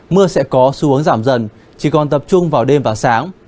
mưa sẽ có xu hướng giảm dần chỉ còn tập trung vào đêm và sáng